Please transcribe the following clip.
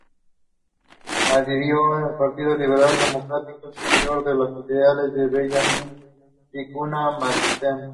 Adhirió al Partido Liberal Democrático, seguidor de los ideales de Benjamín Vicuña Mackenna.